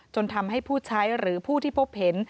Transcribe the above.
จนทำให้ผู้ใช้หรือผู้ที่พบเห็น